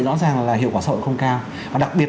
rõ ràng là hiệu quả xã hội không cao và đặc biệt